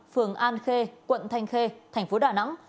phường an khê quận thanh khê thành phố đà nẵng